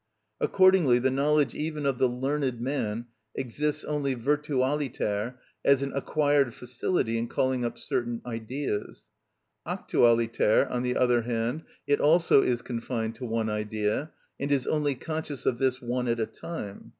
Accordingly the knowledge even of the learned man exists only virtualiter as an acquired facility in calling up certain ideas; actualiter, on the other hand, it also is confined to one idea, and is only conscious of this one at a time.